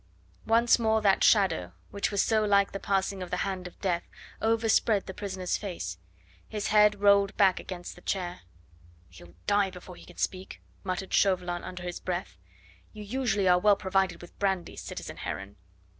Once more that shadow, which was so like the passing of the hand of Death, overspread the prisoner's face; his head rolled back against the chair. "He'll die before he can speak," muttered Chauvelin under his breath. "You usually are well provided with brandy, citizen Heron."